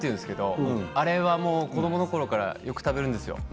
あれは子どものころからよく食べるんですよ。